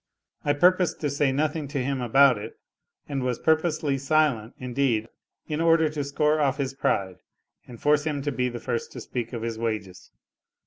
I purposed to say nothing to him about it, and was purposely silent indeed, in order to score off his pride and force him to be the first to speak of his wages.